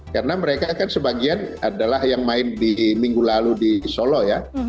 karena mereka kan sebagian adalah yang main di minggu lalu di solo ya